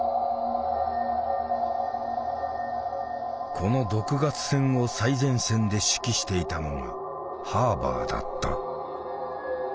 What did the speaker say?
この毒ガス戦を最前線で指揮していたのがハーバーだった。